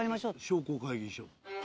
「商工会議所」。